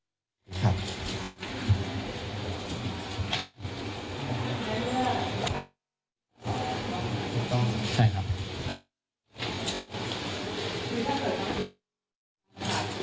หรือถ้าเกิดคำคีย์